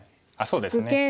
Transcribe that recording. そうですね。